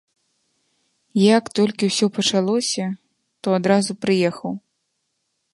Як толькі ўсё пачалося, то адразу прыехаў.